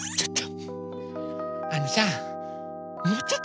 ちょっと！